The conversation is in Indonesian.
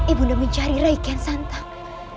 ibu nda mencari raimu kian santang